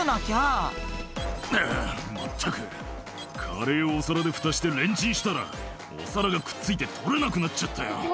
「カレーをお皿でフタしてレンチンしたらお皿がくっついて取れなくなっちゃったよ」